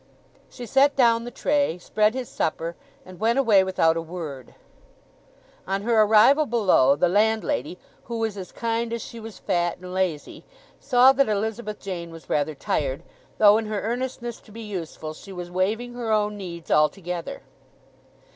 She set down the tray, spread his supper, and went away without a word. On her arrival below the landlady, who was as kind as she was fat and lazy, saw that Elizabeth Jane was rather tired, though in her earnestness to be useful she was waiving her own needs altogether.